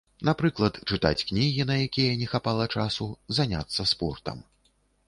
Напрыклад, чытаць кнігі, на якія не хапала часу, заняцца спортам.